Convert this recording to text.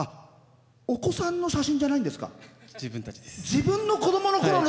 お子さんの写真じゃないんですか？